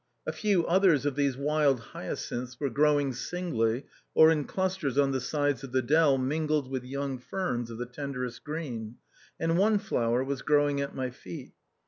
A few others of these wild hyacinths were growing singly or in clusters on the sides of the dell mingled with young ferns of the tenderest green, and one flower was growing at my feet.